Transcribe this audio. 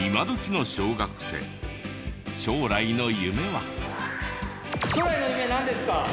将来の夢なんですか？